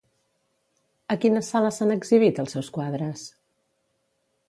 A quines sales s'han exhibit els seus quadres?